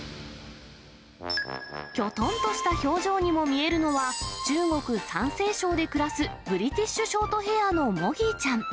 きょとんとした表情にも見えるのは、中国・山西省で暮らすブリティッシュショートヘアのモギーちゃん。